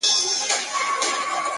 لوړ فکر د امکاناتو پولې پراخوي!